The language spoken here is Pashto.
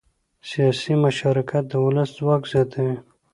سیاسي مشارکت د ولس ځواک زیاتوي